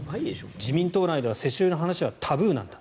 自民党内では世襲の話はタブーなんだ